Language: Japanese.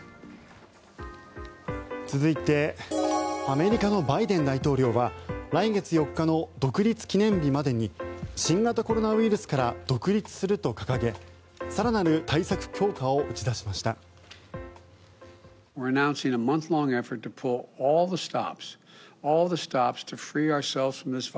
続いてアメリカのバイデン大統領は来月４日の独立記念日までに新型コロナウイルスから独立すると掲げ更なる対策強化を打ち出しました。